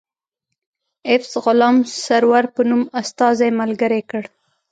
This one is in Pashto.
ایفز غلام سرور په نوم استازی ملګری کړ.